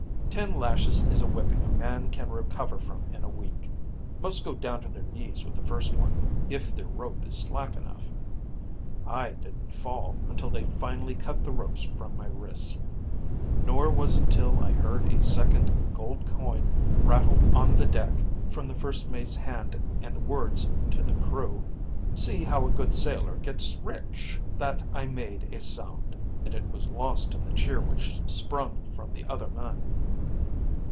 Ten lashes is a whipping a man can recover from in a week. Most go down to their knees with the first one, if their rope is slack enough. I didn't fall until they finally cut the ropes from my wrists. Nor was it till I heard a second gold coin rattle down on the deck from the first mate's hand and the words to the crew, 'See how a good sailor gets rich,' that I made a sound. And it was lost in the cheer which sprung from the other men.